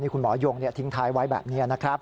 คุณหมอยงทิ้งท้ายไว้แบบนี้นะครับ